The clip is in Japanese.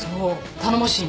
頼もしいね。